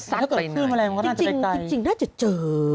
สักไปหน่อยก็น่าจะไปไกลจริงจริงน่าจะเจอ